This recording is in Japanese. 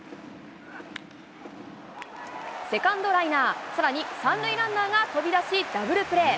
セカンドライナー、さらに３塁ランナーが飛び出しダブルプレー。